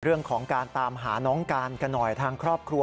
เรื่องของการตามหาน้องการกันหน่อยทางครอบครัว